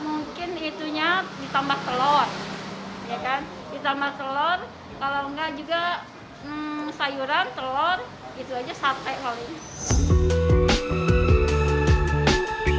mungkin itunya ditambah telur ditambah telur kalau enggak juga sayuran telur itu aja sate kali